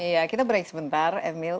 iya kita break sebentar emil